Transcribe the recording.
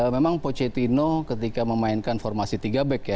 memang pocetino ketika memainkan formasi tiga back ya